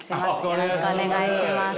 よろしくお願いします。